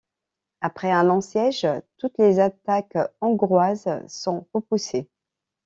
Après un long siège, toutes les attaques hongroises sont repoussées.